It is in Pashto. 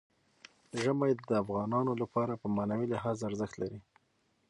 ژمی د افغانانو لپاره په معنوي لحاظ ارزښت لري.